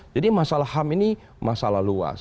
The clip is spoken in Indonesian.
jadi masalah ham ini masalah luas